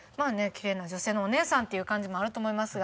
キレイな女性のお姉さんっていう感じもあると思いますが。